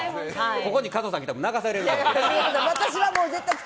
ここに加藤さん来たら泣かされるぞ。